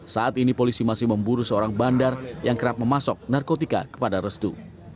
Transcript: saat ini polisi masih memburu seorang bandar yang kerap memasuk narkotika kepada restu